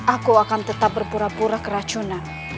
aku akan tetap berpura pura keracunan